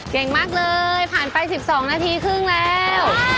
เก่งมากเลยผ่านไป๑๒นาทีครึ่งแล้ว